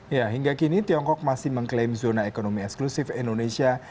ya hingga kini tiongkok masih mengklaim zona ekonomi eksklusif indonesia